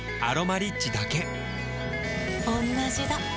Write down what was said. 「アロマリッチ」だけおんなじだ